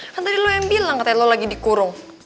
kan tadi lo yang bilang katanya lo lagi dikurung